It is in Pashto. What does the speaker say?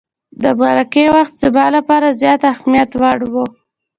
د مرکې وخت زما لپاره زیات د اهمیت وړ وو.